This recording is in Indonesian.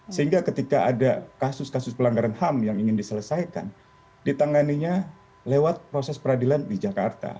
sehingga ketika ada kasus kasus pelanggaran ham yang ingin diselesaikan ditanganinya lewat proses peradilan di jakarta